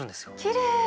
きれい！